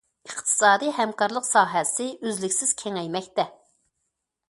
ئىقتىسادى ھەمكارلىق ساھەسى ئۈزلۈكسىز كېڭەيمەكتە.